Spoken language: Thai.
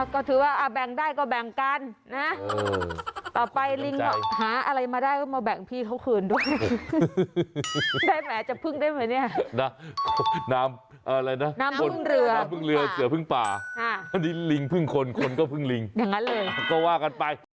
ก็ถือว่าแบ่งได้ก็แบ่งกันนะต่อไปลิงหาอะไรมาได้ก็มาแบ่งพี่เขาคืนด้วยได้ไหมเนี่ยนะน้ำพึ่งเรือน้ำพึ่งเรือเสือพึ่งป่าอันนี้ลิงพึ่งคนคนก็พึ่งลิงอย่างนั้นเลยก็ว่ากันไป